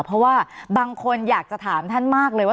เพราะว่าบางคนอยากจะถามท่านมากเลยว่า